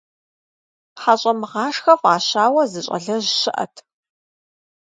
ХьэщӀэмыгъашхэ фӀащауэ, зы щӀалэжь щыӀэт.